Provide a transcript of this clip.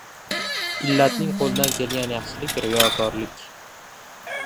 Illatning qo‘lidan kelgan yaxshilik — riyokorlik.